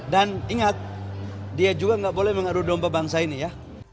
dan ingat dia juga tidak boleh mengadu dompa bangsa ini ya